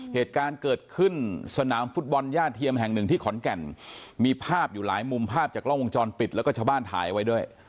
เหตุการณ์เกิดขึ้นสนามฟุตบอลย่าเทียมแห่งหนึ่งที่ขอนแก่นมีภาพอยู่หลายมุมภาพจากกล้องวงจรปิดแล้วก็ชาวบ้านถ่ายไว้ด้วย